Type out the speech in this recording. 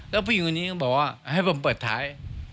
แล้วผู้หญิงคนนี้ก็บอกว่าให้ผมเปิดท้าย